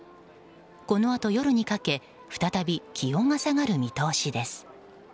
このあと、夜にかけ再び気温が下がる見通しです。